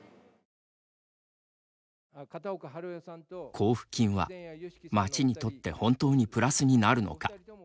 交付金は町にとって本当にプラスになるのか。